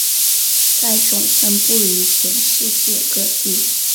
该种分布于全世界各地。